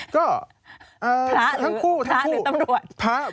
พระหรือตำรวจ